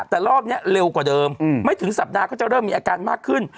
แต่รอบนี้เร็วกว่าเดิมไม่ถึงสัปดาห์ก็จะเริ่มมีอาการมากขึ้น